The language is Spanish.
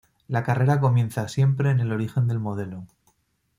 La carrera comienza siempre en el origen del modelo.